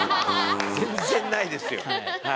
全然ないですよ。